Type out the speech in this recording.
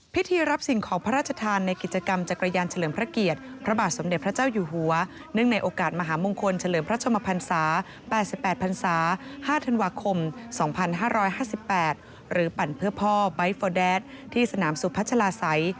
พิธีรับสิ่งของพระราชธาตุในกิจกรรมจักรยานเฉลิมพระเกียรติพระบาทสมเด็จพระเจ้าอยู่หัว